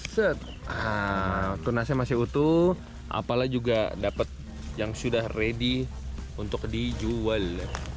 set tunasnya masih utuh apalah juga dapat yang sudah ready untuk dijual